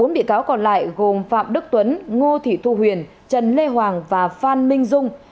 bốn bị cáo còn lại gồm phạm đức tuấn ngô thị thu huyền trần lê hoàng và phan minh dung